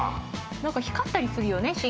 光ったりするよね。